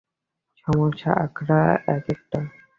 সমস্যা আখড়া একেকটা।